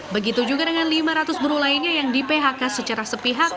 begitu juga dengan lima ratus buruh lainnya yang di phk secara sepihak